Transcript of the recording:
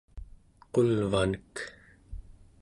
qulvanek